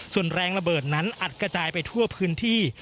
ส่วนแรงระเบิดนั้นอัดกระจายไปทั่วพื้นที่